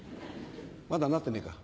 まだなってねえか。